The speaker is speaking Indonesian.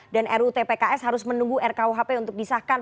dan rut pks harus menunggu rkuhp untuk disahkan